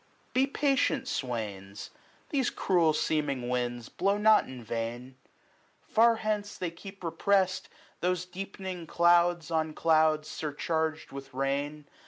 135 Be patient, swains ; these cruel seeming winds Blow not in vain. Far hence they keep repressed SPRING. Thosedeepeningclouds on clouds, surcharg'd with rain.